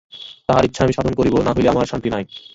তাহার ইচ্ছা আমি সাধন করিব, নহিলে আমার শান্তি নাই।